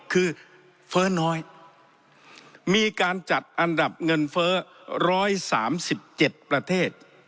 คือเฟ้อน้อยมีการจัดอันดับเงินเฟ้อร้อยสามสิบเจ็ดประเทศ